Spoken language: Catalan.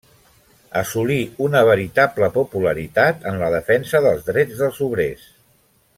Assolí una veritable popularitat en la defensa dels drets dels obrers.